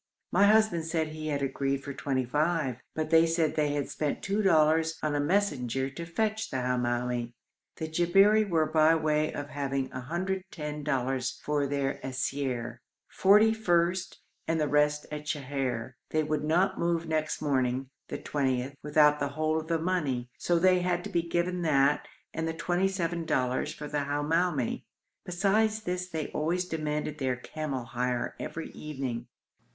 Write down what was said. My husband said he had agreed for twenty five, but they said they had spent two dollars on a messenger to fetch the Hamoumi. The Jabberi were by way of having 110 dollars for their siyar, forty first and the rest at Sheher. They would not move next morning (the 20th) without the whole of the money, so they had to be given that and the twenty seven dollars for the Hamoumi. Besides this they always demanded their camel hire every evening.